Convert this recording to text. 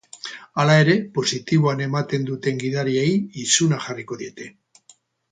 Hala ere, positiboan ematen duten gidariei isuna jarriko diete.